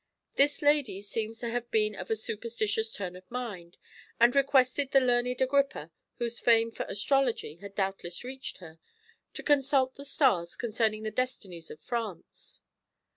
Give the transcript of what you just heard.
This lady seems to have been of a superstitious turn of mind, and requested the learned Agrippa, whose fame for astrology had doubtless reached her, to consult the stars concerning the destinies of France.